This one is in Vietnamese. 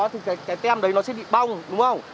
thì cái tem đấy nó sẽ bị bong đúng không